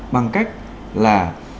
bằng cách là